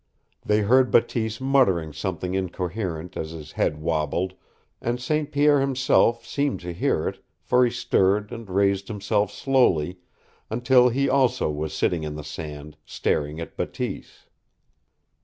They heard Bateese muttering something incoherent as his head wobbled, and St. Pierre himself seemed to hear it, for he stirred and raised himself slowly, until he also was sitting in the sand, staring at Bateese.